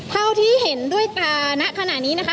เท่าที่เห็นด้วยตาณขณะนี้นะคะ